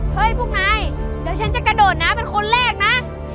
พวกนายเดี๋ยวฉันจะกระโดดนะเป็นคนแรกนะ